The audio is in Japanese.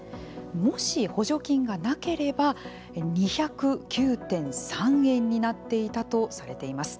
もし補助金がなければ２０９．３円になっていたとされています。